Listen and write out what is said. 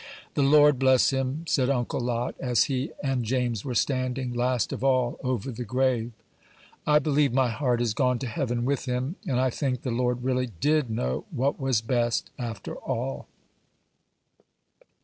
"The Lord bless him," said Uncle Lot, as he and James were standing, last of all, over the grave. "I believe my heart is gone to heaven with him; and I think the Lord really did know what was best, after all."